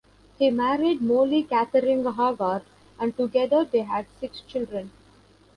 He married Mollie Cathering Haggard and together they had six children.